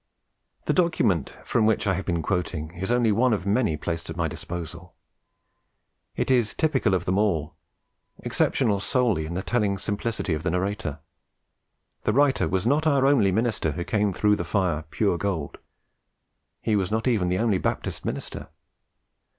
The document from which I have been quoting is only one of many placed at my disposal. It is typical of them all, exceptional solely in the telling simplicity of the narrator. The writer was not our only minister who came through the fire pure gold; he was not even the only Baptist minister.